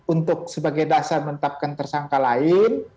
untuk sebagai dasar menetapkan tersangka lain